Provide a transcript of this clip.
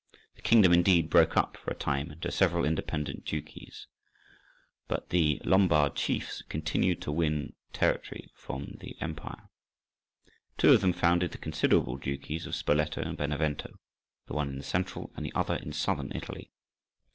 The kingdom, indeed, broke up for a time into several independent duchies, but the Lombard chiefs continued to win territory from the empire. Two of them founded the considerable duchies of Spoleto and Benevento, the one in Central, and the other in Southern Italy.